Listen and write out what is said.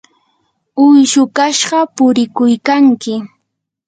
uyshu kashqa purikuykanki.